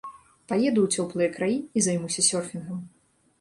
Паеду ў цёплыя краі і займуся сёрфінгам.